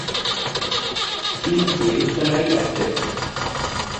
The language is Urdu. چین کے خلائی اسٹ